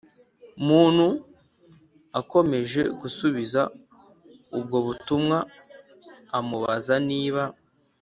Muntu akomeje gusubiza ubwo butumwa amubaza niba